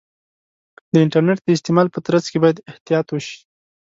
د انټرنیټ د استعمال په ترڅ کې باید احتیاط وشي.